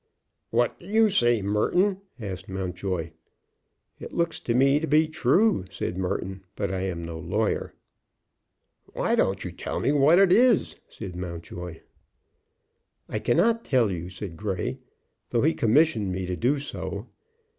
"What do you say, Merton?" asked Mountjoy. "It looks to me to be true," said Merton. "But I am no lawyer." "Why don't you tell me what it is?" said Mountjoy. "I cannot tell you," said Grey, "though he commissioned me to do so.